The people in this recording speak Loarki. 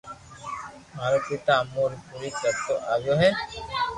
مارو پيتا امو ري پوري ڪرتو آويو ھي